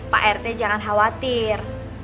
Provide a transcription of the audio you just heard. pak rt jangan khawatir